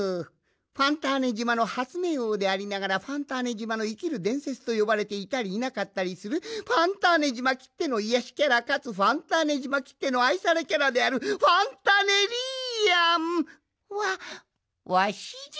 ファンターネ島の発明王でありながらファンターネ島の生きる伝説と呼ばれていたりいなかったりするファンターネ島きっての癒やしキャラかつファンターネ島きっての愛されキャラであるファンタネリアンはわしじゃ。